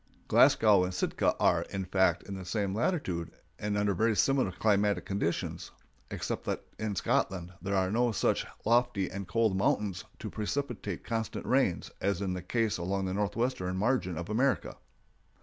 Glasgow and Sitka are, in fact, in the same latitude, and under very similar climatic conditions, except that in Scotland there are no such lofty and cold mountains to precipitate constant rains as is the case along the northwestern margin of America.